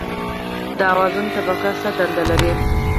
د اوزون طبقه څه دنده لري؟